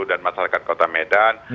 dan masyarakat kota medan